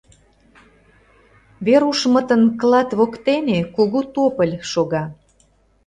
Верушмытын клат воктене кугу тополь шога.